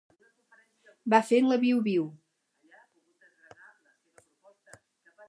Va fent la viu-viu